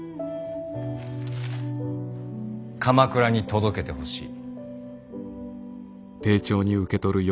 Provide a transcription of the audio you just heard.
鎌倉に届けてほしい。